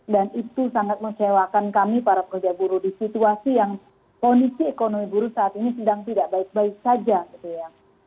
dan itu sangat mengecewakan kami para pekerja buru di situasi yang kondisi ekonomi buru saat ini sedang tidak baik baik saja gitu ya